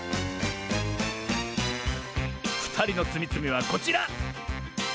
ふたりのつみつみはこちら！